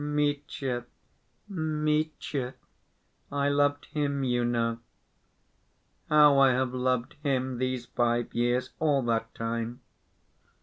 "Mitya, Mitya, I loved him, you know. How I have loved him these five years, all that time!